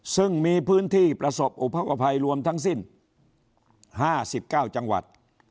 ซึ่งมีพื้นที่ประสบอุทธกภัยรวมทั้งสิ้น๕๙จังหวัด